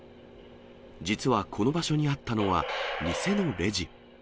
実はこの場所にあったのは、店のレジ。